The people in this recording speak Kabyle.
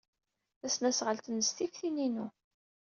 Tasnasɣalt-nnes tif tin-inu.